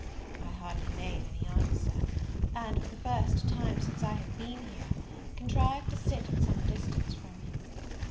I hardly made any answer; and, for the first time since I have been here, contrived to sit at some distance from him.